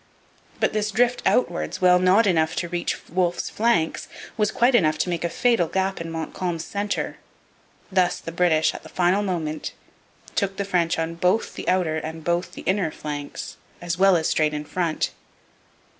But this drift outwards, while not enough to reach Wolfe's flanks, was quite enough to make a fatal gap in Montcalm's centre. Thus the British, at the final moment, took the French on both the outer and both the inner flanks as well as straight in front.